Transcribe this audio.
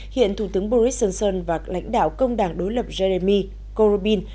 hiện thủ tướng boris johnson và lãnh đạo công đảng đối lập jeremy corbyn